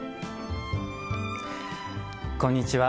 こんにちは。